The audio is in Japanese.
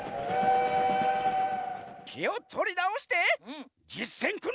きをとりなおしてじっせん